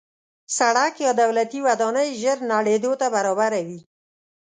سړک یا دولتي ودانۍ ژر نړېدو ته برابره وي.